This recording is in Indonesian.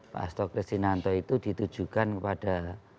pak astokristi nanto itu ditujukan kepada